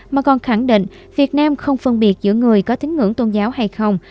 mà còn khẳng định việt nam không phân biệt giữa người có tính ngưỡng tôn giáo hay không